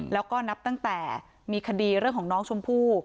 แล้วก็นับตั้งแต่มีคดีเรื่องของน้องชมพู่